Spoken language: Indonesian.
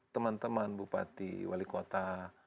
teman teman bupati wali kota